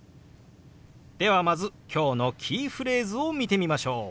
ではまず今日のキーフレーズを見てみましょう。